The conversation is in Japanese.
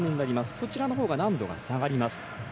こちらのほうが難度が下がります。